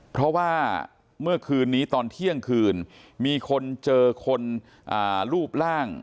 เพราะว่าเมื่อคืนนี้ตอนเที่ยงคืนมีคนเจอคนรูปร่าง